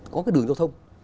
có đường giao thông